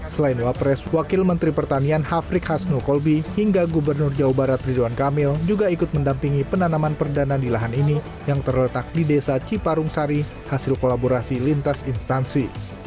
selain wapres wakil menteri pertanian hafrik hasno kolbi hingga gubernur jawa barat ridwan kamil juga ikut mendampingi penanaman perdana di lahan ini yang terletak di desa ciparungsari hasil kolaborasi lintas instansi